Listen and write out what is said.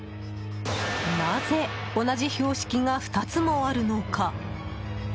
なぜ同じ標識が２つもあるのか。